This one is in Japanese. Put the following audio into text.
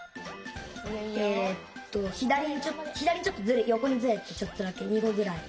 えっとひだりにちょっとよこにずれてちょっとだけ２ほぐらい。